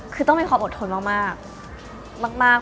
คือต้องมีความอดทนมาก